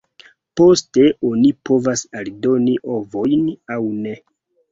Poste oni povas aldoni ovojn aŭ ne.